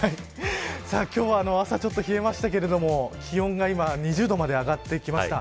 今日は朝ちょっと冷えましたけど気温が２０度まで上がってきました。